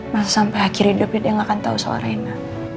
mas sampai akhir hidup dia gak akan tau soal reina